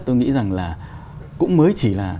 tôi nghĩ rằng là cũng mới chỉ là